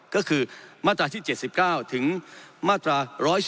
ก็คือมาตราที่๗๙ถึงมาตรา๑๑๒